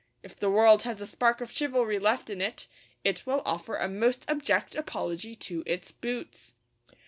If the world has a spark of chivalry left in it, it will offer a most abject apology to its boots.